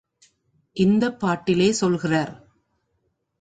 இந்தப் பாட்டிலே சொல்கிறார்.